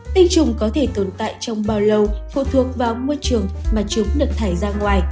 tinh trùng có thể tồn tại trong bao lâu phụ thuộc vào môi trường mà chúng được thải ra ngoài